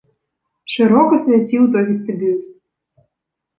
Шырока свяціў той вестыбюль.